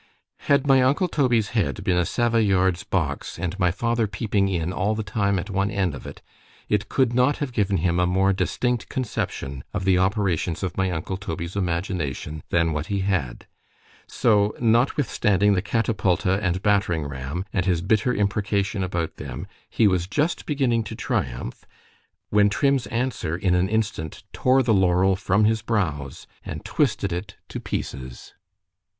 Had my uncle Toby's head been a Savoyard 's box, and my father peeping in all the time at one end of it——it could not have given him a more distinct conception of the operations of my uncle Toby's imagination, than what he had; so, notwithstanding the catapulta and battering ram, and his bitter imprecation about them, he was just beginning to triumph—— When Trim's answer, in an instant, tore the laurel from his brows, and twisted it to pieces.